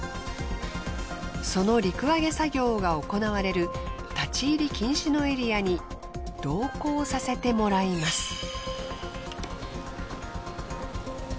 その陸揚げ作業が行われる立ち入り禁止のエリアに同行させてもらいます。